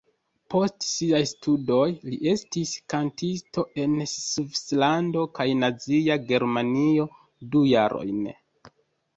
Post siaj studoj li estis kantisto en Svislando kaj Nazia Germanio du jarojn.